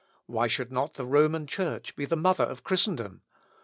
Why should not the Roman Church be the mother of Christendom?